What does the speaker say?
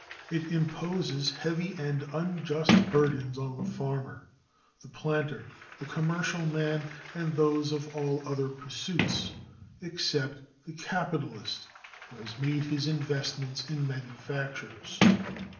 It imposes heavy and unjust burdens on the farmer, the planter, the commercial man, and those of all other pursuits except the capitalist who has made his investments in manufactures.